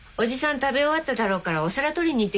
食べ終わっただろうからお皿取りに行ってきて。